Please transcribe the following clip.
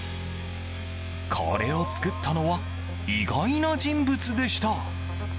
これを作ったのは意外な人物でした。